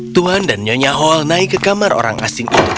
tuhan dan nyonya hall naik ke kamar orang asing itu